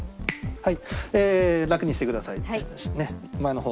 はい。